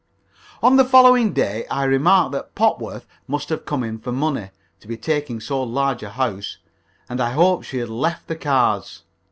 On the following day I remarked that Popworth must have come in for money, to be taking so large a house, and I hoped she had left the cards.